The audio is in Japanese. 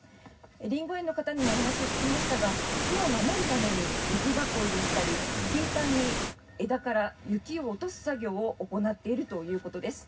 リンゴ園の方にもお話を聞きましたが木を守るために雪囲いをしたり頻繁に枝から雪を落とす作業を行っているということです。